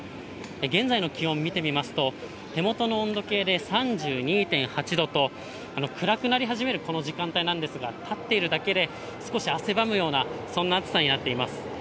現在の気温見てみますと、手元の温度計で３２．８度と、暗くなり始めるこの時間帯なんですが、立っているだけで、少し汗ばむような、そんな暑さになっています。